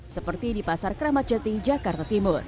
seperti di pasar keramat jati jakarta timur